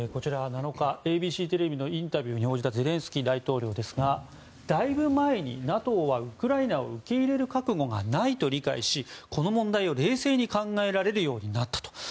７日、ＡＢＣテレビのインタビューに応じたゼレンスキー大統領ですがだいぶ前にＮＡＴＯはウクライナを受け入れる覚悟がないと理解しこの問題を冷静に考えられるようになったと。